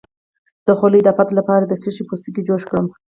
د خولې د افت لپاره د څه شي پوستکی جوش کړم؟